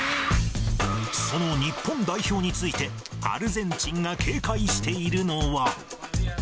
その日本代表について、アルゼンチンが警戒しているのは。